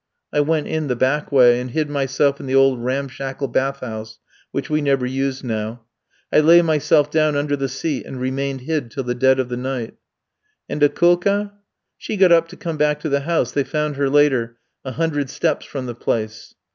"I went in the back way, and hid myself in the old ramshackle bath house, which we never used now. I lay myself down under the seat, and remained hid till the dead of the night." "And Akoulka?" "She got up to come back to the house; they found her later, a hundred steps from the place."